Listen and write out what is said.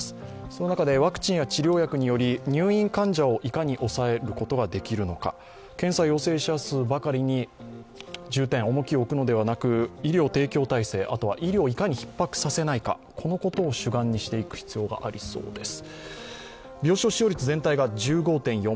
その中でワクチンや治療薬により入院患者をいかに抑えることができるのか、検査陽性者数ばかりに重きを置くのではなく医療提供体制、あとは医療をいかにひっ迫させないか、このことを主眼にしていく必要がありそうです。